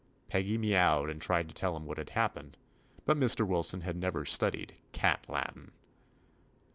Peggy meowed and tried to tell him what had happened, but Mr. Wilson had never studied r^/ Latin.